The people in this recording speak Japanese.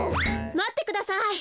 まってください。